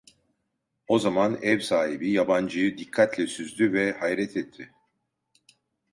O zaman ev sahibi yabancıyı dikkatle süzdü ve hayret etti.